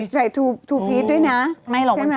ใส่ตัวผิดด้วยนะ